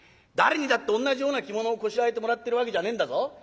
誰にだって同じような着物をこしらえてもらってるわけじゃねえんだぞ。